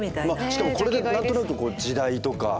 しかもこれで何となく時代とか。